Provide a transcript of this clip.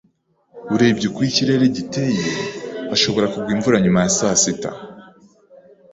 Urebye uko ikirere giteye, hashobora kugwa imvura nyuma ya saa sita.